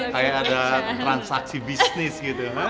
kayak ada transaksi bisnis gitu